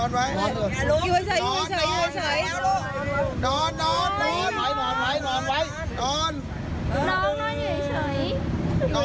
กริ้งกเหมื่อกับการนอน